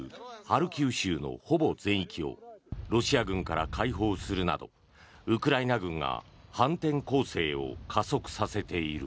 ハルキウ州のほぼ全域をロシア軍から解放するなどウクライナ軍が反転攻勢を加速させている。